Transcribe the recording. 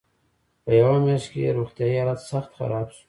په یوه میاشت کې یې روغتیایي حالت سخت خراب شو.